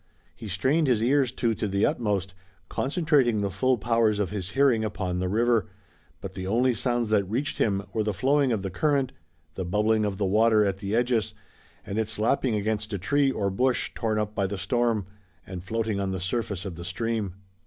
He strained his ears too to the utmost, concentrating the full powers of his hearing upon the river, but the only sounds that reached him were the flowing of the current, the bubbling of the water at the edges, and its lapping against a tree or bush torn up by the storm and floating on the surface of the stream.